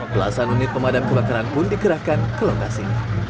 belasan unit pemadam kebakaran pun dikerahkan ke lokasi